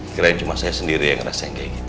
kiranya cuma saya sendiri yang ngerasa yang kayak gitu